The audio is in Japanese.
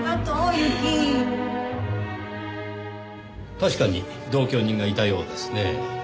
確かに同居人がいたようですねぇ。